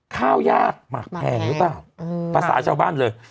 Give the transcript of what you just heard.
ข้าวยากหมากแพงหรือเปล่าภาษาชาวบ้านเลย